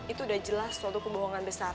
itu udah jelas suatu kebohongan besar